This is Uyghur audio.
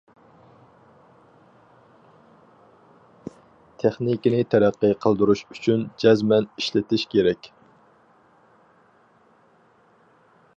تېخنىكىنى تەرەققىي قىلدۇرۇش ئۈچۈن جەزمەن ئىشلىتىش كېرەك.